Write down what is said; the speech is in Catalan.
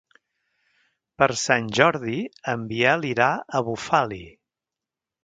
Per Sant Jordi en Biel irà a Bufali.